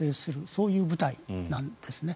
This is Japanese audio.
そういう部隊なんですね。